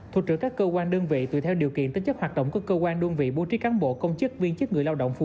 thuộc trưởng các cơ quan đơn vị tùy theo điều kiện tính chất hoạt động của cơ quan đơn vị bố trí cán bộ công chức viên chức người lao động phụ